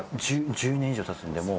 １０年以上たつんでもう